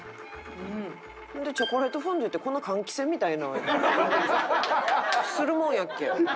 ほんでチョコレートフォンデュってこんな換気扇みたいな音するもんやっけ？